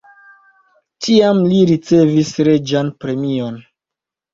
Tiam li ricevis reĝan premion.